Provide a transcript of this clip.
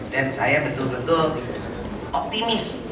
dan saya betul betul optimis